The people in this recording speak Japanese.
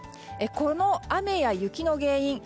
この雨や雪の原因